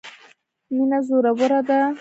مینه زوروره ده.